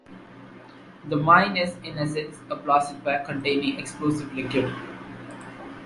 The mine is, in essence, a plastic bag containing explosive liquid.